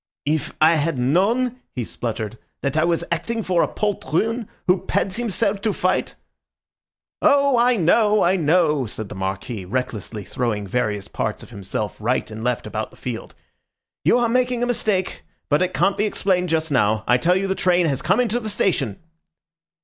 "If I had known," he spluttered, "that I was acting for a poltroon who pads himself to fight—" "Oh, I know, I know!" said the Marquis, recklessly throwing various parts of himself right and left about the field. "You are making a mistake; but it can't be explained just now. I tell you the train has come into the station!"